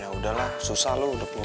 ya udahlah susah lo udah berdua